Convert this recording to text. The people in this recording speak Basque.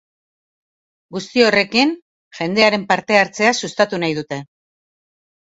Guzti horrekin, jendearen parte-hartzea sustatu nahi dute.